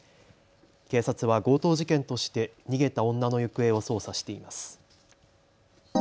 警察は強盗事件として逃げた女の行方を捜査しています。